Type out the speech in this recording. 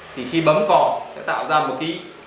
thì khi bấm cỏ sẽ tạo ra một cái